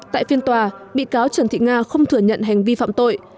tại phiên tòa bị cáo trần thị nga không thừa nhận hành vi phạm tội